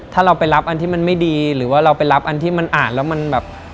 ถ้าเราไปรับอันที่มันไม่ดีหรือว่าเราไปรับอันที่มันอ่านแล้วมันแบบ